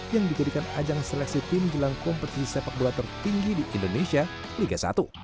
yang dijadikan ajang seleksi tim jelang kompetisi sepak bola tertinggi di indonesia liga satu